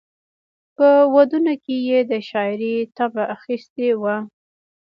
په ودونو کې یې د شاعرۍ طبع اخیستې وه.